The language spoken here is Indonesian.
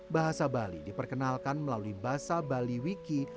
bahasa bali diperkenalkan melalui bahasa bali wiki